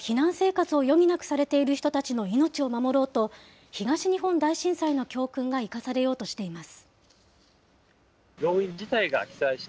現地では避難生活を余儀なくされている人たちの命を守ろうと、東日本大震災の教訓が生かされようとしています。